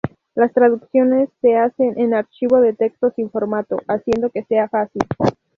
Las traducciones se hacen en archivo de texto sin formato, haciendo que sea fácil.